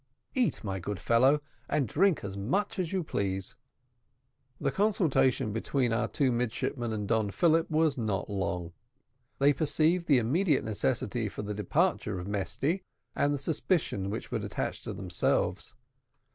"Eat, my good fellow, and drink as much as you please." The consultation between our two midshipmen and Don Philip was not long: they perceived the immediate necessity for the departure of Mesty, and the suspicion which would attach to themselves.